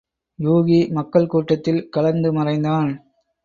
யூகி மக்கள் கூட்டத்தில் கலந்து மறைந்தான்.